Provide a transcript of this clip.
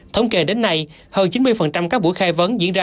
thống kê đến nay hơn chín mươi các buổi khai vấn diễn ra